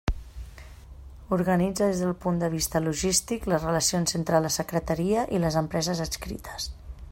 Organitza des del punt de vista logístic les relacions entre la Secretaria i les empreses adscrites.